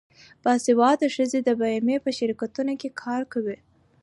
باسواده ښځې د بیمې په شرکتونو کې کار کوي.